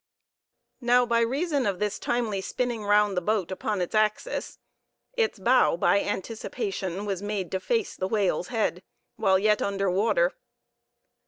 Now, by reason of this timely spinning round the boat upon its axis, its bow, by anticipation, was made to face the whale's head while yet under water.